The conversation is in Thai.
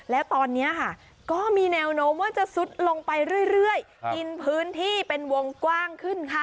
แล้วตอนนี้ค่ะก็มีแนวโน้มว่าจะซุดลงไปเรื่อยกินพื้นที่เป็นวงกว้างขึ้นค่ะ